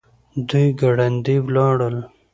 دوی ګړندي ولاړل.